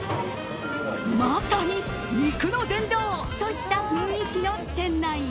まさに肉の殿堂といった雰囲気の店内。